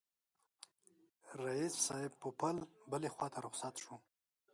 رییس صاحب پوپل بلي خواته رخصت شو.